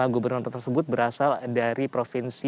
gubernur tersebut berasal dari provinsi